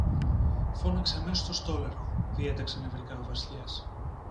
Φώναξε αμέσως το στόλαρχο, διέταξε νευρικά ο Βασιλιάς.